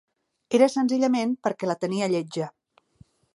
Era senzillament, perquè la tenia lletja.